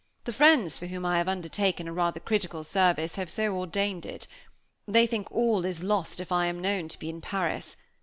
The friends for whom I have undertaken a rather critical service, have so ordained it. They think all is lost if I am known to be in Paris.